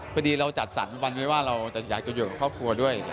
พอดีเราจัดสรรวันไว้ว่าเราจะอยากจะอยู่กับครอบครัวด้วย